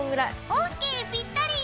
ＯＫぴったり！